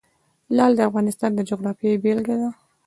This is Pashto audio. لعل د افغانستان د جغرافیې بېلګه ده.